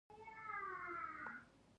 جرګه ستونزې څنګه حل کوي؟